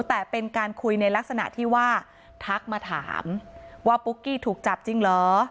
แต่เป็นการคุยในลักษณะที่ว่าทักมาถามว่าปุ๊กกี้ถูกจับจริงเหรอ